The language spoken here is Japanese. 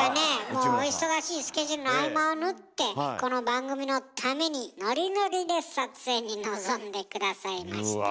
もうお忙しいスケジュールの合間を縫ってこの番組のためにノリノリで撮影に臨んで下さいました。